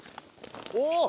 おっ！